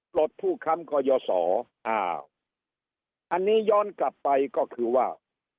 ผู้ค้ำก่อยสออ้าวอันนี้ย้อนกลับไปก็คือว่า